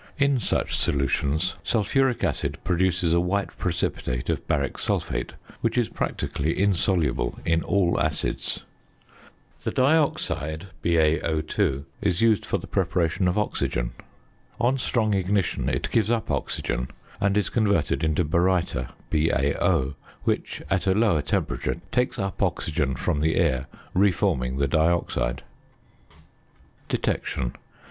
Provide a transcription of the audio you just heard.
In such solutions sulphuric acid produces a white precipitate of baric sulphate, which is practically insoluble in all acids. The dioxide (BaO_) is used for the preparation of oxygen. On strong ignition it gives up oxygen, and is converted into baryta (BaO), which, at a lower temperature, takes up oxygen from the air, re forming the dioxide. ~Detection.